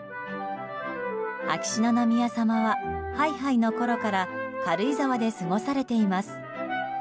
秋篠宮さまはハイハイのころから軽井沢で過ごされています。